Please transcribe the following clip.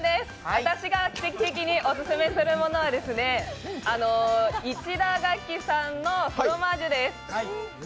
私が奇跡的にオススメするものは、市田柿さんのフロマージュです。